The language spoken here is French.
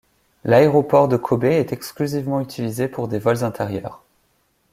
L'aéroport de Kobe est exclusivement utilisé pour des vols intérieurs.